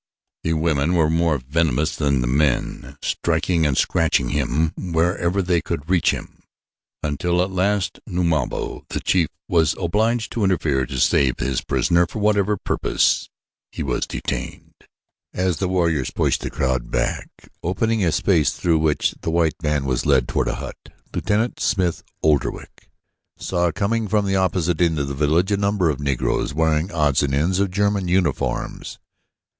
The women were more venomous than the men, striking and scratching him whenever they could reach him, until at last Numabo, the chief, was obliged to interfere to save his prisoner for whatever purpose he was destined. As the warriors pushed the crowd back, opening a space through which the white man was led toward a hut, Lieutenant Smith Oldwick saw coming from the opposite end of the village a number of Negroes wearing odds and ends of German uniforms.